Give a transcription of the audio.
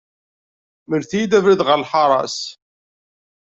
Mlet-iyi-d abrid ɣer lḥaṛa-s.